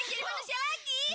jadi manusia lagi